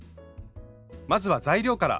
まずは材料から。